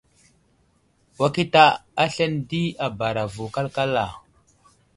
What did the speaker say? Wakita aslane di a bara vo kalkala.